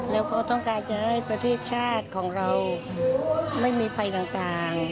แล้วก็ต้องการจะให้ประเทศชาติของเราไม่มีภัยต่าง